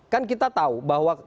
kan kita tahu bahwa